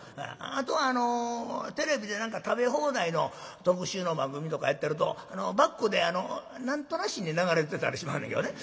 あとテレビで何か食べ放題の特集の番組とかやってるとバックで何となしに流れてたりしまんねんけどね。